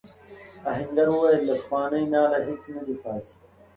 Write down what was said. آهنګر وویل له پخواني ناله هیڅ نه دی پاتې.